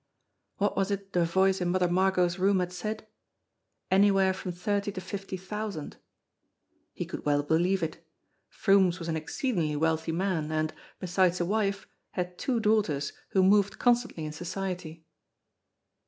What was it the voice in Mother M argot's room had said? i "anywhere from thirty to fifty thousand." He could well believe it. Froomes was an exceedingly wealthy man, and, besides a wife, had two daughters who moved constantly in society.